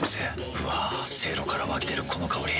うわせいろから湧き出るこの香り。